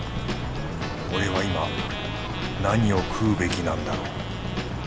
俺は今何を食うべきなんだろう。